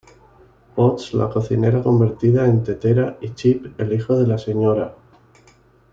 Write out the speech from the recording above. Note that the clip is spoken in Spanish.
Potts, la cocinera convertida en tetera, y Chip, el hijo de la Sra.